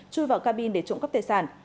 chui vào cabin để trụng cấp tài sản